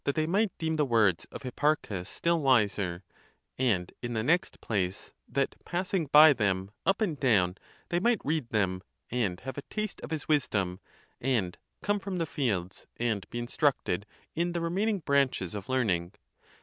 44] might deem the words of Hipparchus still wiser; and, in the next place, that passing by them, up and down, they might read them, and have a taste of his wisdom, and come from the fields! and be instructed in the remaining branches of learning.